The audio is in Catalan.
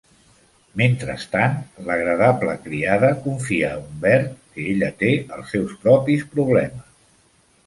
Mentrestant, l'agradable criada confia a Umberto que ella té els seus propis problemes.